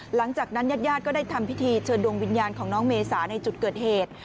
ญาติญาติก็ได้ทำพิธีเชิญดวงวิญญาณของน้องเมษาในจุดเกิดเหตุ